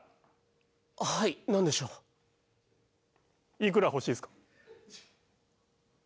いくら欲しいですか？